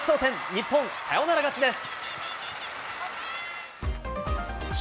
日本、サヨナラ勝ちです。